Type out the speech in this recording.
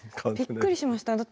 びっくりしました。